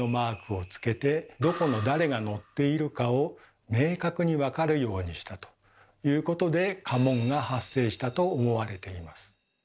どこの誰が乗っているかを明確にわかるようにしたということで家紋が発生したと思われています。